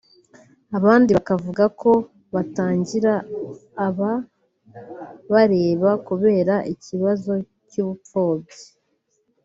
abandi bakavuga ko batangira aba barera kubera ikibazo cy’ubupfubyi